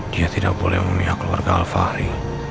dia tidak boleh memihak keluarga alfahri